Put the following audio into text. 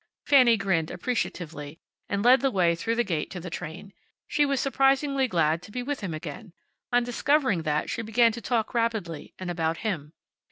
Fanny grinned, appreciatively, and led the way through the gate to the train. She was surprisingly glad to be with him again. On discovering that, she began to talk rapidly, and about him.